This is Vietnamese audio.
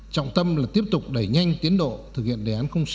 trọng tâm là tiếp tục đẩy nhanh tiến độ thực hiện đề án sáu